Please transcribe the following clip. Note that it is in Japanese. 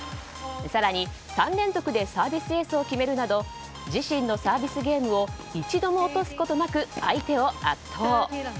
更に、３連続でサービスエースを決めるなど自身のサービスゲームを一度も落とすことなく相手を圧倒。